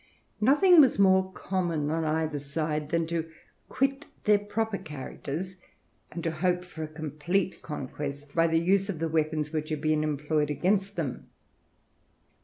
Nothing was more common, on either side, than to quit their proper characters, and to hope for a complete conquest by the use of the weapons which had been employed against them.